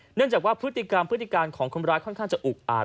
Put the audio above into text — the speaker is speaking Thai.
เนื่องจากว่าพฤติกรรมพฤติการของคนร้ายค่อนข้างจะอุกอาจ